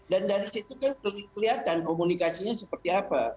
dan dari situ kan kelihatan komunikasinya seperti apa